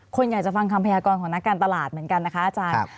คนอยากจะฟังคำพยากรของนักการตลาดเหมือนกันนะคะอาจารย์